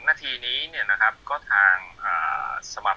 แล้วช่างคนนั้นเนี่ยหมอค่าเครื่องมือ